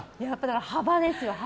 幅ですよ、幅。